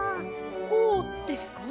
こうですか？